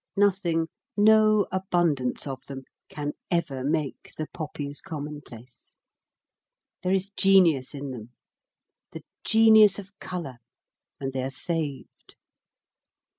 Nothing, no abundance of them, can ever make the poppies commonplace. There is genius in them, the genius of colour, and they are saved.